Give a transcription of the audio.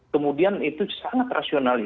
kemudian itu sangat rasionalnya